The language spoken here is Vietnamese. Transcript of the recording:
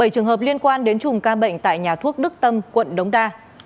bảy trường hợp liên quan đến chùm ca bệnh tại nhà thuốc đức tâm quận đống đa